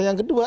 dan yang kedua